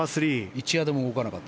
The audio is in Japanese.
１ヤードも動かなかった。